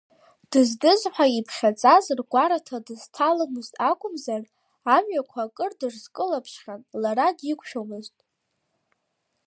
Дыздыз ҳәа иԥхьаӡаз ргәараҭа дызҭаломызт акәымзар, амҩақәа акыр дрызкылԥшхьан, лара диқәшәомызт.